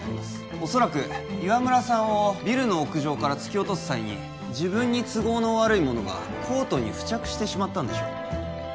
おそらく岩村さんをビルの屋上から突き落とす際に自分に都合の悪いものがコートに付着してしまったんでしょう